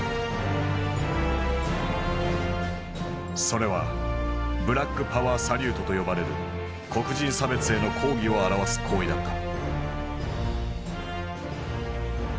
それは「ブラックパワー・サリュート」と呼ばれる黒人差別への抗議を表す行為だった。